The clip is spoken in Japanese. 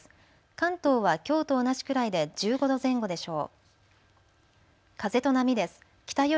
関東はきょうと同じくらいで１５度前後でしょう。